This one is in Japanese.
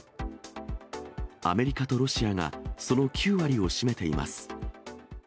アメリカとロシアが、その９割を占めています。